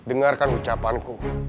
apa kamu bersedia